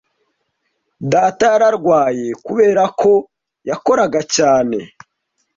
Data yararwaye kubera ko yakoraga cyane.